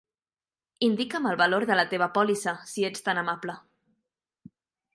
Indica'm el valor de la teva pòlissa, si ets tan amable.